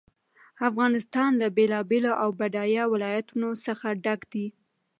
افغانستان له بېلابېلو او بډایه ولایتونو څخه ډک دی.